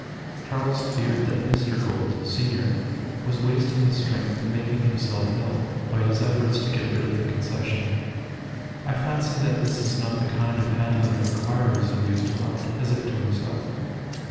Charles feared that Mr. Gould, senior, was wasting his strength and making himself ill by his efforts to get rid of the Concession. "I fancy that this is not the kind of handling it requires," he mused aloud, as if to himself.